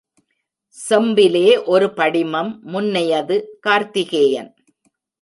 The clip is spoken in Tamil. செம்பிலே ஒரு படிமம் முன்னையது கார்த்திகேயன்.